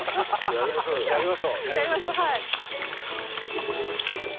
やりましょうはい。